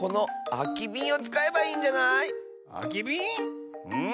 あきびん？